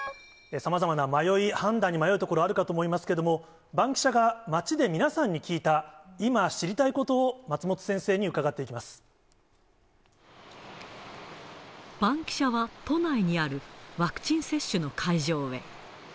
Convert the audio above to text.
さまざまな迷い、判断に迷うところがあるかと思いますけれども、バンキシャが街で皆さんに聞いた、今、知りたいことを松本先生に伺バンキシャは、都内にあるワクチン接種の会場へ。